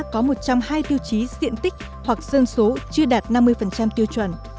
có một trăm hai tiêu chí diện tích hoặc dân số chưa đạt năm mươi tiêu chuẩn